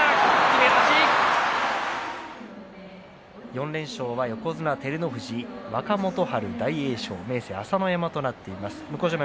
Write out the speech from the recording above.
４連勝は横綱照ノ富士若元春、大栄翔、明生朝乃山となっています。